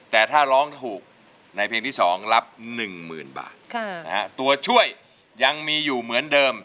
แต่ถ้าร้องถูกในเพลงที่สองรับหนึ่งหมื่นบาทค่ะฮะตัวช่วยยังมีอยู่เหมือนเดิม